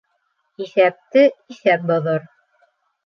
Иҫәпте иҫәп боҙор.